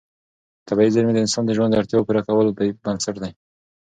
طبیعي زېرمې د انساني ژوند د اړتیاوو پوره کولو بنسټ دي.